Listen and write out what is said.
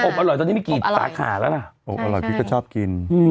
อบอร่อยตอนนี้ไม่คิดตลอดอักหารแล้วล่ะออกอร่อยพี่ก็ชอบกิน